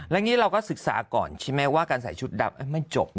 แล้วเราก็ศึกษาก่อนใช่ไหมว่าการใส่ชุดดำไม่จบ